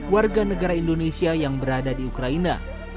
warga negara indonesia yang berada di ukraina